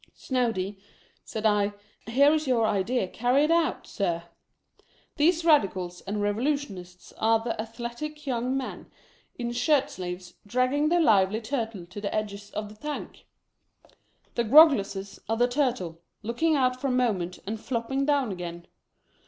" Snoady, " said I, " here is your idea carried out. Sir! These Radicals and Eevolu tionists are the athletic young men in shirt sleeves, drag ging the Lively Turtle to the edges of the tank. The Grog gleses are the Turtle, looking out for a moment, and flopping down again.